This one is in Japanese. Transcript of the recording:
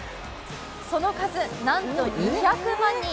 その数なんと２００万人。